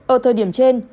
ở thời điểm trên